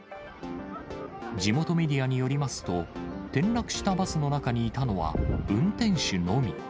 地元メディアによりますと、転落したバスの中にいたのは、運転手のみ。